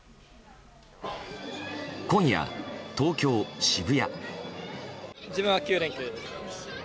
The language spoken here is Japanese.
今夜、東京・渋谷。